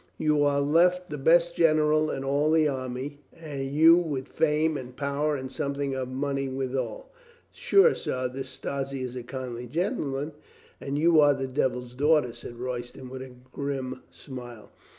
You are left the best general in all the army, you with fame and power and something of money withal. Sure, sir, this Strozzi is a kindly gentleman." "And you are the devil's daughter," said Roy ston with a grim smile.